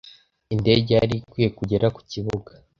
Indege yari ikwiye kugera ku Kibuga